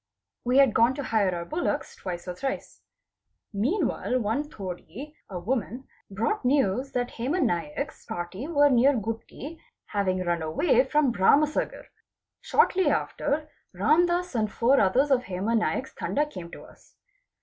We had gone to hire our bullocks twice or thrice. Meanwhile one 'T'oadi (a woman) brought news that Hema Naik's party were near Gutti, having run away from Bharam sagar. Shortly after Ramdas and four others of Hema Naik's Tanda came to us.